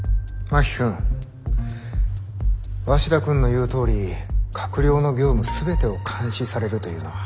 真木君鷲田君の言うとおり閣僚の業務全てを監視されるというのは。